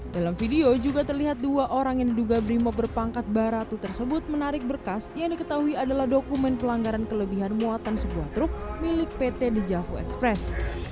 dalam video juga terlihat dua orang yang diduga brimob berpangkat baratu tersebut menarik berkas yang diketahui adalah dokumen pelanggaran kelebihan muatan sebuah truk milik pt dejavu express